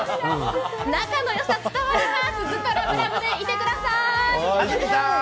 仲のよさ伝わります